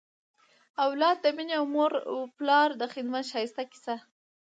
د اولاد د مینې او مور و پلار د خدمت ښایسته کیسه